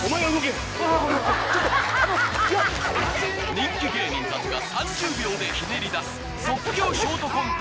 人気芸人たちが３０秒でひねり出す即興ショートコント